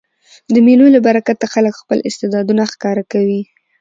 د مېلو له برکته خلک خپل استعدادونه ښکاره کوي.